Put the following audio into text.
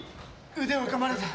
腕をかまれた。